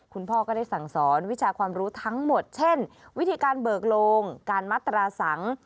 คุณพ่อก็ได้สั่งสอนวิชาความรู้ทั้งหมดเช่นวิธีการเบิกโลงการมัตราสัง